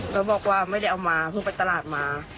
แล้วบอกว่าไม่ได้เอามาเพิ่งไปตลาดมา